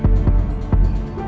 gak ada bapak lagi